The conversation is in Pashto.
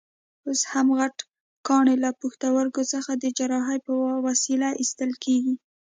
اوس هم غټ کاڼي له پښتورګو څخه د جراحۍ په وسیله ایستل کېږي.